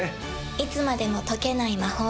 いつまでも解けない魔法。